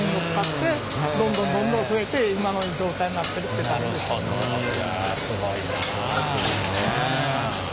いやすごいな。